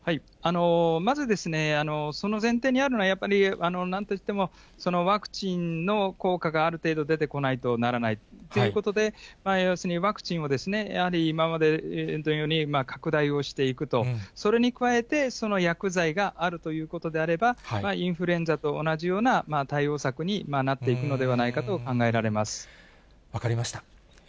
まず、その前提にあるのは、やっぱりなんといっても、ワクチンの効果がある程度出てこないとならないということで、要するに、ワクチンをやはり今までのように拡大をしていくと、それに加えて、その薬剤があるということであれば、インフルエンザと同じような対応策になっていくのではないかと考分かりました。